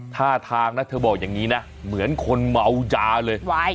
ท่าทางนะเธอบอกอย่างนี้นะเหมือนคนเมายาเลย